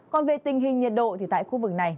còn về tình hình nhiệt độ thì tại khu vực này